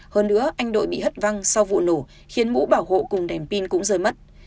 hơn nữa anh đội bị hất văng sau vụ nổ khiến mũ bảo hộ cùng đèn pin cũng rơi mất